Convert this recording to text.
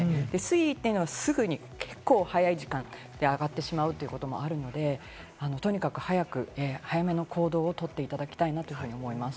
水位というのは、すぐに結構早い時間で上がってしまうということもあるので、とにかく早めの行動を取っていただきたいなと思います。